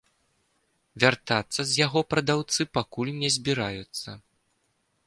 Вяртацца з яго прадаўцы пакуль не збіраюцца.